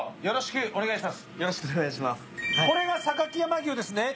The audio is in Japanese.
よろしくお願いします。